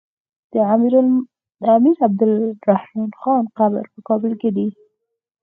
د امير عبدالرحمن خان قبر په کابل کی دی